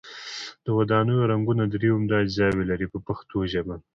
د ودانیو رنګونه درې عمده اجزاوې لري په پښتو ژبه.